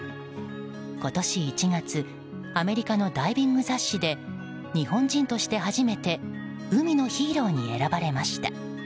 今年１月アメリカのダイビング雑誌で日本人として初めて海のヒーローに選ばれました。